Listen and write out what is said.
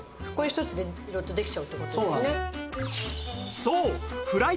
これ一つで色々とできちゃうって事ですね。